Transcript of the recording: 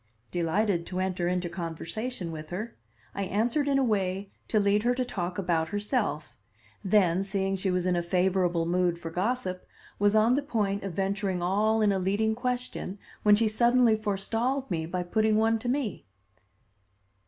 Delighted to enter into conversation with her, I answered in a way to lead her to talk about herself, then, seeing she was in a favorable mood for gossip, was on the point of venturing all in a leading question, when she suddenly forestalled me by putting one to me.